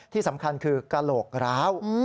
ที่สำคัญคือกระโหลกร้าว